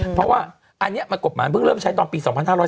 เพราะว่าอันนี้กฎหมายเพิ่งเริ่มใช้ตอนปี๒๕๕๙